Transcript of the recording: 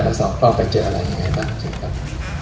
เราสอนกล้องไปเจออะไรอย่างไรบ้างครับ